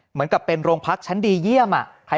เหมือนกับเป็นโรงพักชั้นดีเยี่ยม